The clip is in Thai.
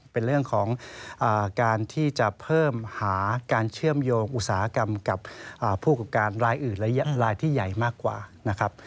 เป็นเรื่องของการที่จะเพิ่มหาการเชื่อมโยงอุตสาหกรรมกับผู้กับการรายอื่นรายที่ใหญ่มากกว่านะครับ